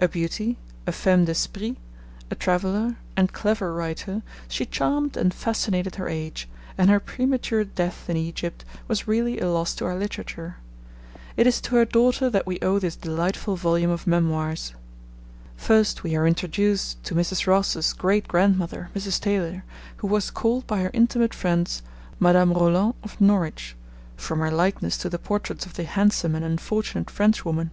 A beauty, a femme d'esprit, a traveller, and clever writer, she charmed and fascinated her age, and her premature death in Egypt was really a loss to our literature. It is to her daughter that we owe this delightful volume of memoirs. First we are introduced to Mrs. Ross's great grandmother, Mrs. Taylor, who 'was called, by her intimate friends, "Madame Roland of Norwich," from her likeness to the portraits of the handsome and unfortunate Frenchwoman.'